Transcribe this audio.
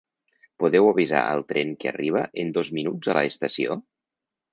Podeu avisar al tren que arriba en dos minuts a la estació?